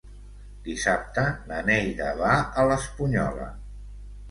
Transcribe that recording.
Dissabte na Neida va a l'Espunyola.